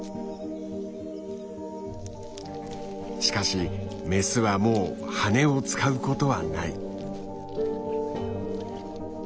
しかしメスはもう羽を使うことはない。